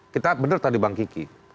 kita benar tadi bang kiki